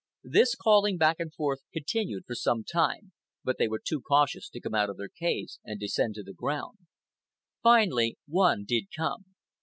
This calling back and forth continued for some time, but they were too cautious to come out of their caves and descend to the ground. Finally one did come.